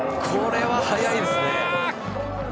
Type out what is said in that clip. これは早いですね。